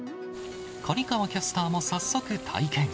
刈川キャスターも早速体験。